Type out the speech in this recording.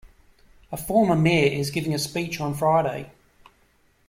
A former mayor is giving a speech on Friday.